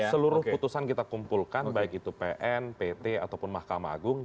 seluruh putusan kita kumpulkan baik itu pn pt ataupun mahkamah agung